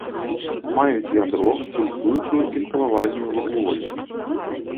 Маюць ядро, пульсуючую і стрававальную вакуолі.